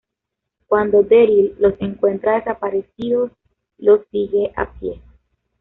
Cuando Daryl los encuentra desaparecidos, los sigue a pie.